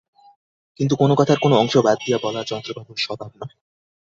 কিন্তু কোনো কথার কোনো অংশ বাদ দিয়া বলা চন্দ্রবাবুর স্বভাব নহে।